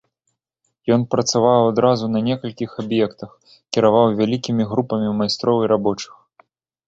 Ён працаваў адразу на некалькіх аб'ектах, кіраваў вялікімі групамі майстроў і рабочых.